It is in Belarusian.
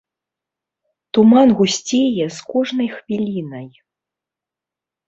Туман гусцее з кожнай хвілінай.